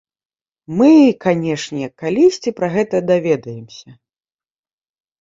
Мы, канешне, калісьці пра гэта даведаемся.